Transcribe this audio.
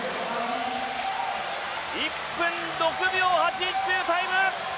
１分６秒８１というタイム！